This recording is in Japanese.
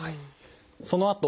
そのあと